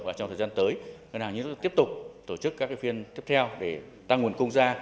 và trong thời gian tới ngân hàng sẽ tiếp tục tổ chức các phiên tiếp theo để tăng nguồn cung ra